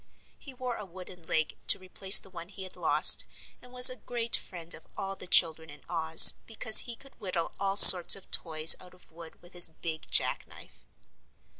He wore a wooden leg to replace the one he had lost and was a great friend of all the children in Oz because he could whittle all sorts of toys out of wood with his big jack knife.